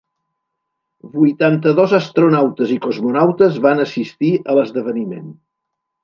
Vuitanta-dos astronautes i cosmonautes van assistir a l'esdeveniment.